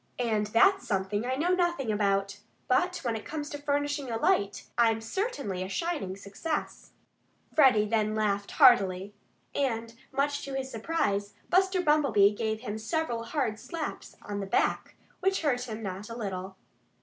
And that's something I know nothing about. ... But when it comes to furnishing a light, I'm certainly a shining success." Freddie then laughed heartily. And much to his surprise, Buster Bumblebee gave him several hard slaps on the back, which hurt him not a little.